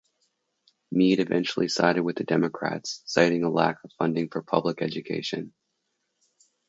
Mead eventually sided with the Democrats, citing a lack of funding for public education.